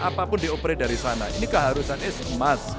apapun dioperate dari sana ini keharusan is emas